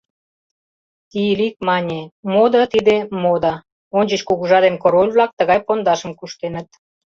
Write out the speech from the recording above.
Тиилик мане: мода тиде, мода: ончыч кугыжа ден король-влак тыгай пондашым куштеныт.